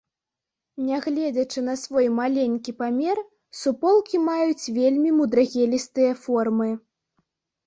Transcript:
Нягледзячы на свой маленькі памер, суполкі маюць вельмі мудрагелістыя формы.